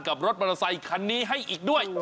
รถมอเตอร์ไซคันนี้ให้อีกด้วย